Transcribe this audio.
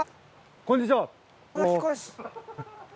こんにちは。